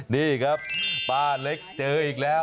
นี่ครับป้าเล็กเจออีกแล้ว